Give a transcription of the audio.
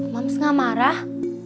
moms nggak marah